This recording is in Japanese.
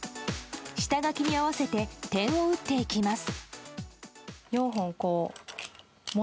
下書きに合わせて点を打っていきます。